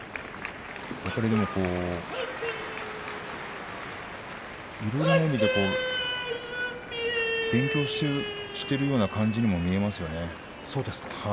やっぱり、いろいろな意味で勉強しているような感じにも見えますよね。